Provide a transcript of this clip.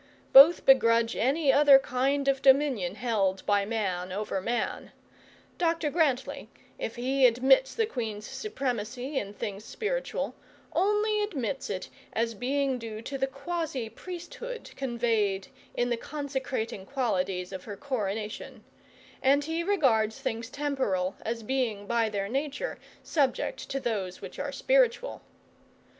Both begrudge any other kind of dominion held by man over man. Dr Grantly, if he admits the Queen's supremacy in things spiritual, only admits it as being due to the quasi priesthood conveyed on the consecrating qualities of her coronation; and he regards things temporal as being by their nature subject to those which are spiritual.